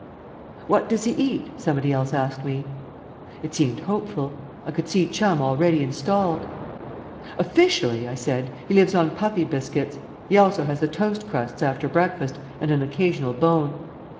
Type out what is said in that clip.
"What does he eat?" somebody else asked me. It seemed hopeful; I could see Chum already installed. "Officially," I said, "he lives on puppy biscuits; he also has the toast crusts after breakfast and an occasional bone.